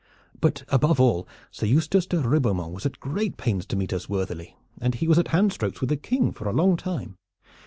But above all Sir Eustace de Ribeaumont was at great pains to meet us worthily, and he was at handstrokes with the King for a long time.